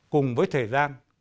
cùng với thời gian